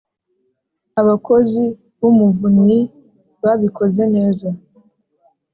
abakozi bumuvunnyi babikoze neza